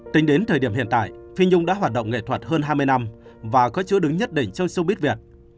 tính đến thời điểm hiện tại phi nhung đã hoạt động nghệ thuật hơn hai mươi năm và có chứa đứng nhất định trong showbiz việt